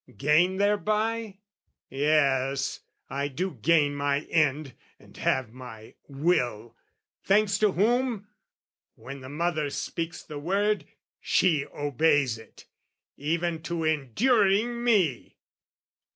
Gain thereby? Yes, I do gain my end and have my will, Thanks to whom? When the mother speaks the word, She obeys it even to enduring me!